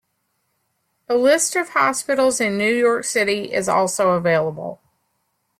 A list of hospitals in New York City is also available.